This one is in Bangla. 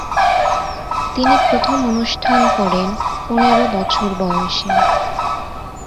তিনি প্রথম অনুষ্ঠান করেন পনের বছর বয়সে।